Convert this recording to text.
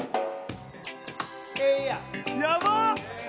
やばっ！